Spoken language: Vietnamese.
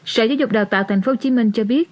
sở giáo dục đào tạo tp hcm cho biết